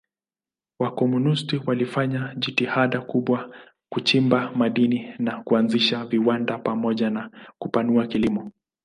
Wakomunisti walifanya jitihada kubwa kuchimba madini na kuanzisha viwanda pamoja na kupanua kilimo.